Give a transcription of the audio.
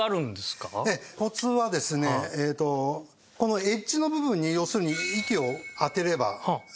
コツはですねこのエッジの部分に要するに息を当てればいいわけですよね。